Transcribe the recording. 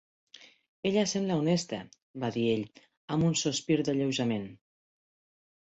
"Ella sembla honesta", va dir ell, amb un sospir d"alleujament.